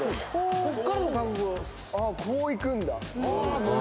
こういくんだ。